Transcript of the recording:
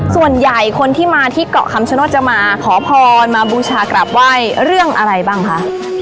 ส่วนใหญ่คนที่มาที่เกาะคำชโนธจะมาขอพรมาบูชากลับไหว้เรื่องอะไรบ้างคะ